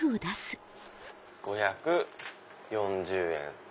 ５４０円。